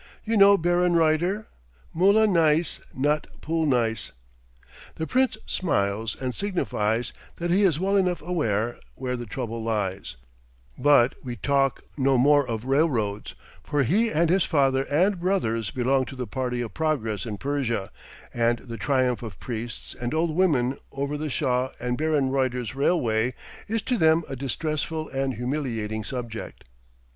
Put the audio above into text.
you know Baron Reuter ' Mollah neis,' not 'pool neis.'" The Prince smiles, and signifies that he is well enough aware where the trouble lies; but we talk no more of railroads, for he and his father and brothers belong to the party of progress in Persia, and the triumph of priests and old women over the Shah and Baron Reuter's railway is to them a distressful and humiliating subject.